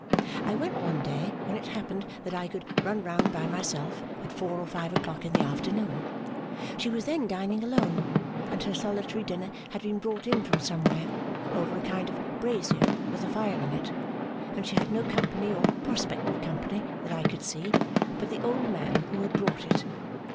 I went one day, when it happened that I could run round by myself, at four or five o'clock in the afternoon. She was then dining alone, and her solitary dinner had been brought in from somewhere, over a kind of brazier with a fire in it, and she had no company or prospect of company, that I could see, but the old man who had brought it.